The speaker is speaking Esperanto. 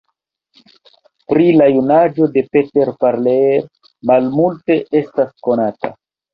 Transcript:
Pri la junaĝo de Peter Parler malmulte estas konata.